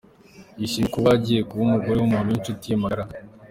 Yishimiye kuba agiye kuba umugore w'umuntu w'inshuti ye magara.